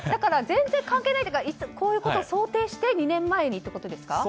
全然関係ないというかこういうことを想定して２年前にってことですか？